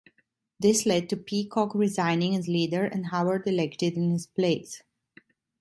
This led to Peacock resigning as leader and Howard elected in his place.